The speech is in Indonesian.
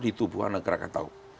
di tubuh anak krakato